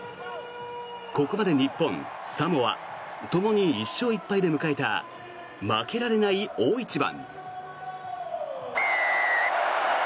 ここまで日本、サモアともに１勝１敗で迎えた負けられない大一番。